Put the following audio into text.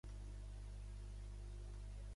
La seva família i els uigurs es van revoltar.